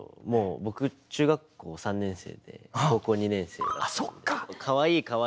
僕中学校３年生で高校２年生だったんで。